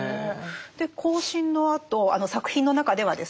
行進のあとあの作品の中ではですね